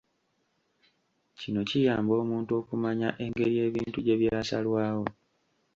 Kino kiyamba omuntu okumanya engeri ebintu gye byasalwawo.